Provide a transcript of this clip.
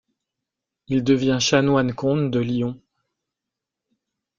Il devient chanoine-comte de Lyon.